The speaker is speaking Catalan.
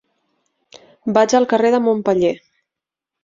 Vaig al carrer de Montpeller.